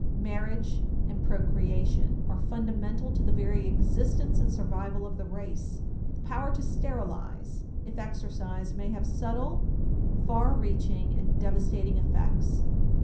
Marriage and procreation are fundamental to the very existence and survival of the race. The power to sterilize, if exercised, may have subtle, far reaching and devastating effects.